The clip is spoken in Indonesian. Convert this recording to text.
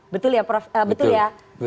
betul ya betul ya betul